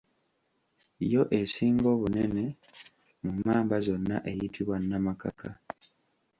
Yo esinga obunene mu mmamba zonna eyitibwa Namakaka.